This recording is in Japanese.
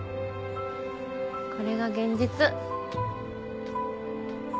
これが現実。